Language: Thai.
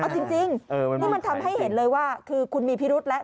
เอาจริงนี่มันทำให้เห็นเลยว่าคือคุณมีพิรุษแล้ว